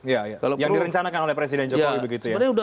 ya yang direncanakan oleh presiden jokowi begitu ya